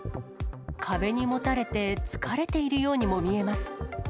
壁にもたれて、疲れているようにも見えます。